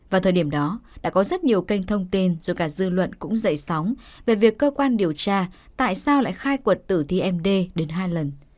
vào thời điểm đó đã có rất nhiều kênh thông tin rồi cả dư luận cũng dậy sóng về việc cơ quan điều tra tại sao lại khai cuộc tử thi